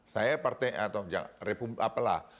saya partai atau republik apalah